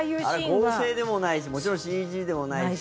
あれ、合成でもないしもちろんＣＧでもないし。